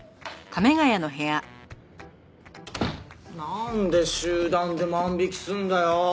なんで集団で万引きするんだよ。